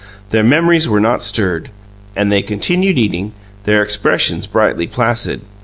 Their memories were not stirred, and they continued eating, their expressions brightly placid.